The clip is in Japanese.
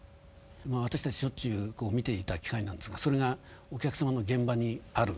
私たちしょっちゅう見ていた機械なんですがそれがお客様の現場にある。